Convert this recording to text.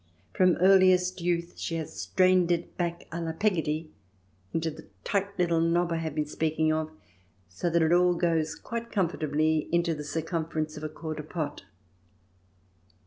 From earliest youth she has strained it back* a la Pegotty, into the little tight knob I have been speaking of, so that it all goes quite comfortably into the circumference of a quarter pot.